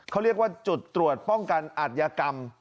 เขาเรียกว่าจุดตรวจป้องกันอัธยกรรม